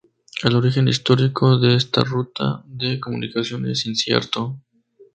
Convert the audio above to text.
El origen histórico de esta ruta de comunicación es incierto.